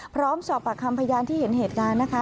พร้อมสอบปากคำพยานที่เห็นเหตุการณ์นะคะ